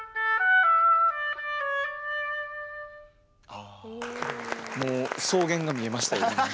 あもう草原が見えましたよ。